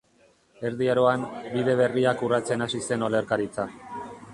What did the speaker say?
Erdi Aroan, bide berriak urratzen hasi zen olerkaritza.